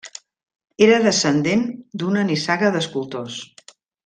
Era descendent d'una nissaga d'escultors.